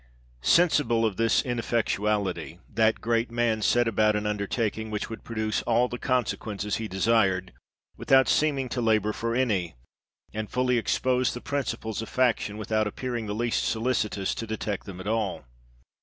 Sensible of this ineffectuality, that great man set about an undertaking, which would produce all the consequences he desired, without seeming to labour for any, and fully expose the principles of faction, without appearing the least solicitous to detect them at all..